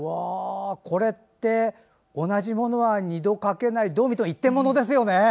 これって同じものは二度、描けないどう見ても一点ものですよね。